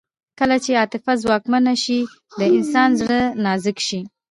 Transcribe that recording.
کله چې عاطفه ځواکمنه شي د انسان زړه نازک شي